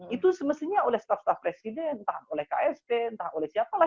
itu semestinya oleh staf staf presiden entah oleh ksp entah oleh siapalah